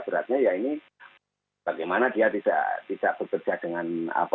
beratnya ya ini bagaimana dia bisa bekerja dengan